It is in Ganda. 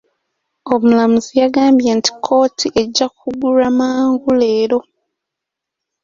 Omulamuzi yagambye nti kkooti ejja kuggalwa mangu leero.